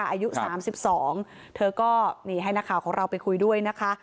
อายุ๓๒เธอก็นี่ให้นักข่าวของเราไปคุยด้วยนะคะ